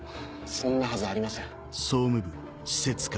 そんなはずありません。